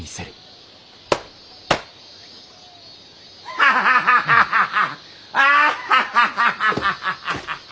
ハハハハハハッアハハハハハハ！